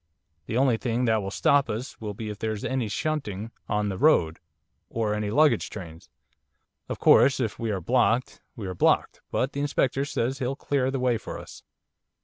The only thing that will stop us will be if there's any shunting on the road, or any luggage trains; of course, if we are blocked, we are blocked, but the Inspector says he'll clear the way for us.